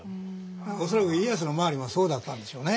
恐らく家康の周りもそうだったんでしょうね。